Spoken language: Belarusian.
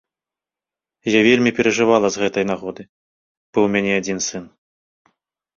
Я вельмі перажывала з гэтай нагоды, бо ў мяне адзін сын.